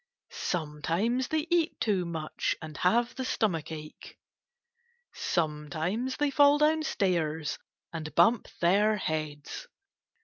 Sometimes they eat too much and have the stomach ache. Sometimes they fall down stairs and bump their heads.